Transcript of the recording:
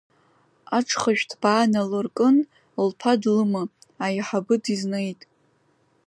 Аҿхышә ҭбаа налыркын, лԥа длыма, аиҳабы дизнеит.